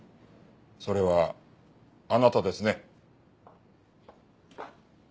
それはあなたですね？